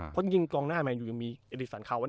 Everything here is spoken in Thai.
เพราะจริงกองหน้ามันยังมีอิทธิษฐรรม